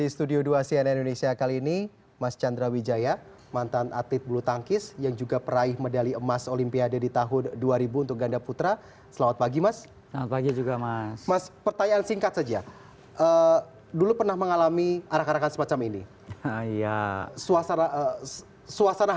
suasana hati seperti apa mas